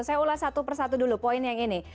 saya ulas satu persatu dulu poin yang ini